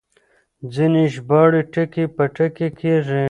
ځينې ژباړې ټکي په ټکي کېږي.